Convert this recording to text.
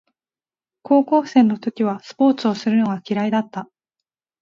高校生の時はスポーツをするのが嫌いだった